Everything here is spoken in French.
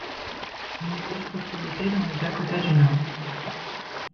Nombreuses propriétés dans le Dakota du Nord.